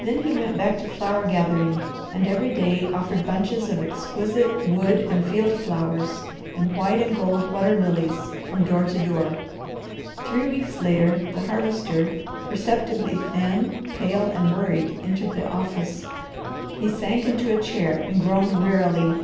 Then he went back to flower gathering and every day offered bunches of exquisite wood and field flowers and white and gold water lilies from door to door. Three weeks later the Harvester, perceptibly thin, pale, and worried entered the office. He sank into a chair and groaned wearily.